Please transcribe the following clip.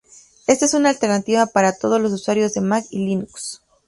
Ésta es una alternativa para todos los usuarios de Mac y Linux.